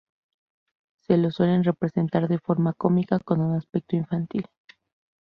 Se lo suele representar de forma cómica, con un aspecto infantil.